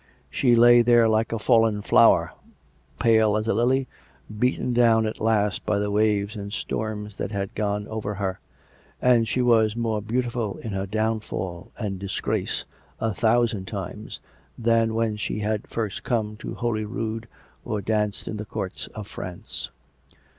She lay there like a fallen flower, pale as a lily, beaten down at last by the waves and storms that had gone over her; and she was more beautiful in her downfall and disgrace, a thousand times, than when she had come first to Holyrood, or danced in the Courts of France.